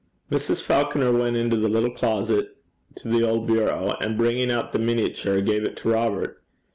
Mrs. Falconer went into the little closet to the old bureau, and bringing out the miniature, gave it to Robert.